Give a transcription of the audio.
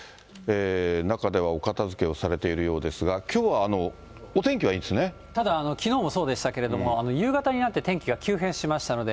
中ではお片づけをされているようですが、ただ、きのうもそうでしたけど、夕方になって天気が急変しましたので、